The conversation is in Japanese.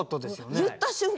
言った瞬間